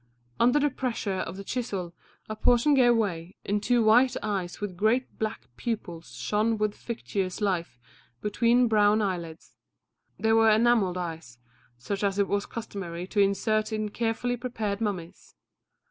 Under the pressure of the chisel a portion gave way, and two white eyes with great black pupils shone with fictitious life between brown eyelids. They were enamelled eyes, such as it was customary to insert in carefully prepared mummies.